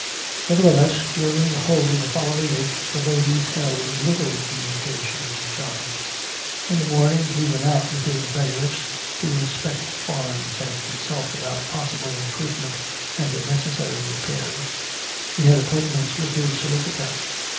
Nevertheless, during the whole of the following week the ladies held little communication with John. In the morning he went out with his bailiffs to inspect farms and consult about possible improvement and necessary repairs. He had appointments with his solicitor.